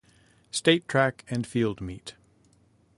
State Track and Field Meet.